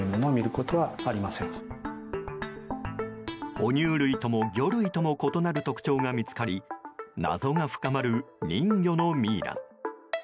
哺乳類とも魚類とも異なる特徴が見つかり謎が深まる人魚のミイラ。